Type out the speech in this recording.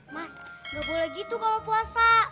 mas gak boleh gitu kalau puasa